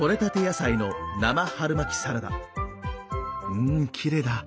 うんきれいだ。